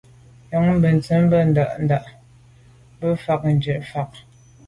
Nyòóŋ bə̀ntcìn bə́ á ndàá ndàŋ ká bù fâ’ o bù gə́ fà’.